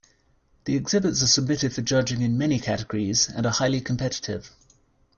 The exhibits are submitted for judging in many categories, and are highly competitive.